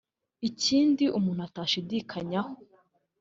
Ikindi umuntu atashidikanyaho